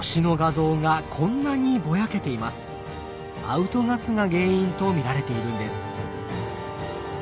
アウトガスが原因と見られているんです。